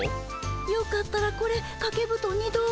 よかったらこれかけぶとんにどうぞ。